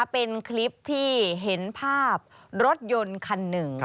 เป็นคลิปที่เห็นภาพรถยนต์คันหนึ่ง